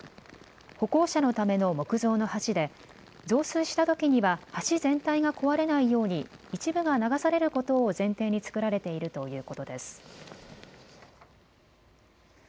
歩行者のための木造の橋で増水したときには橋全体が壊れないように一部が流されることを前提につくられているということです。